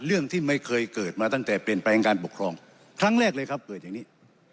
เรื่องที่ไม่เคยเกิดมาตั้งแต่เปลี่ยนแปลงการปกครองครั้งแรกเลยครับเกิดอย่างนี้